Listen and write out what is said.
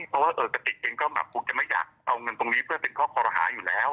เพราะว่ากะติกเขาก็จะไม่อยากเอาเงินตรงนี้เพื่อเลี้ยงพ่อพ่อคอรหาวิทยาว